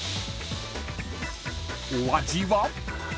［お味は？］